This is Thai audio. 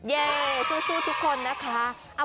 เย่สู้ทุกคนนะคะ